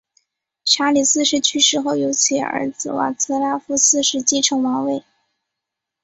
查理四世去世后由其儿子瓦茨拉夫四世继承王位。